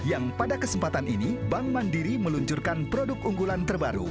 yang pada kesempatan ini bank mandiri meluncurkan produk unggulan terbaru